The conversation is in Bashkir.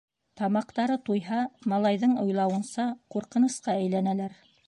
Тамаҡтары туйһа, малайҙың уйлауынса, ҡурҡынысҡа әйләнәләр.